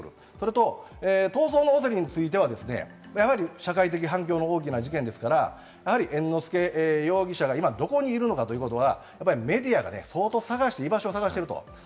それと逃走の恐れについては、社会的反響の大きな事件ですから、猿之助容疑者が今どこにいるのかということは、メディアが相当探して居場所を探しています。